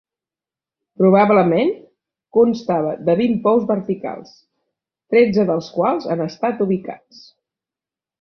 Probablement constava de vint pous verticals, tretze dels quals han estat ubicats.